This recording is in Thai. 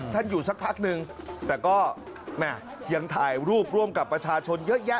อยู่สักพักนึงแต่ก็แม่ยังถ่ายรูปร่วมกับประชาชนเยอะแยะ